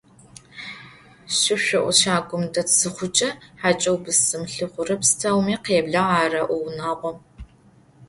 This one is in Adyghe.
Шышӏоӏу щагум дэт зыхъукӏэ, хьакӏэу бысым лъыхъурэ пстэуми «къеблагъ» ареӏо унагъом.